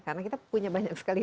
karena kita punya banyak sekali